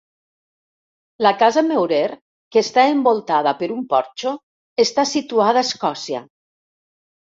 La casa Meurer, que està envoltada per un porxo, està situada a Escòcia.